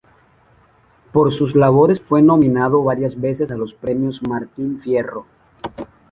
Por sus labores fue nominado varias veces a los Premios Martín Fierro.